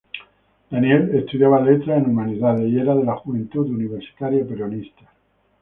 Daniel estudiaba Letras en Humanidades y era de la Juventud Universitaria Peronista.